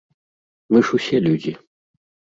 Мы ж усе людзі.